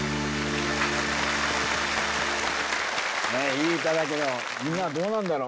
いい歌だけどみんなはどうなんだろう。